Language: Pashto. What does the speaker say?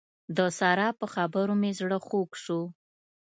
د سارا په خبرو مې زړه خوږ شو.